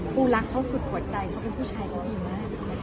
กูรักเพราะสุดหัวใจเขาเป็นผู้ชายที่ดีมาก